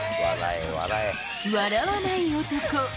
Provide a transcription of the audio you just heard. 笑わない男。